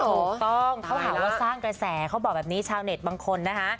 ถูกต้องเขาหาว่าสร้างกระแสเขาบอกแบบนี้ชาวเน็ตบางคนนะคะ